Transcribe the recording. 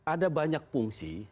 ada banyak fungsi